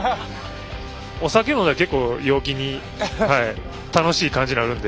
お酒飲んだら、結構陽気に楽しい感じになるので。